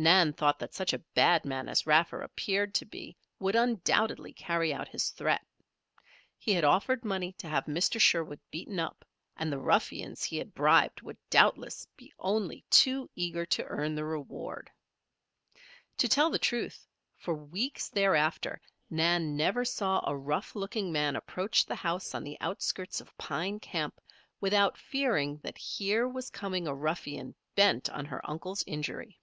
Nan thought that such a bad man as Raffer appeared to be would undoubtedly carry out his threat. He had offered money to have Mr. Sherwood beaten up, and the ruffians he had bribed would doubtless be only too eager to earn the reward. To tell the truth, for weeks thereafter, Nan never saw a rough looking man approach the house on the outskirts of Pine Camp, without fearing that here was coming a ruffian bent on her uncle's injury.